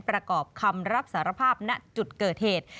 ประกอบคำรับสารภาพณจุดเกิดเหตุ